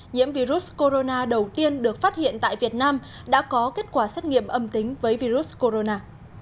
nhiễm virus corona đầu tiên được phát hiện tại việt nam đã có kết quả xét nghiệm âm tính với virus corona